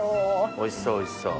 おいしそうおいしそう。